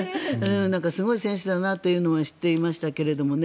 すごい選手だなっていうのは知っていましたけどね。